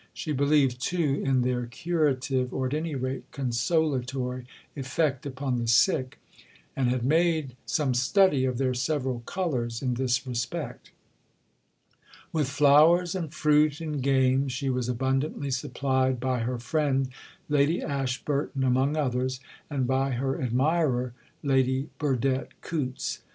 She believed, too, in their curative, or at any rate consolatory, effect upon the sick, and had made some study of their several colours in this respect. With flowers and fruit and game she was abundantly supplied, by her friend Lady Ashburton, among others, and by her admirer, Lady Burdett Coutts.